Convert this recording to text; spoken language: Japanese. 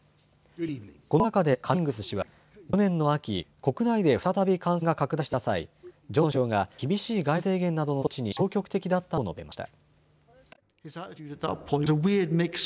この中でカミングス氏は去年の秋、国内で再び感染が拡大していた際、ジョンソン首相が厳しい外出制限などの措置に消極的だったと述べました。